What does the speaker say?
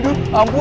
ini apaan tuh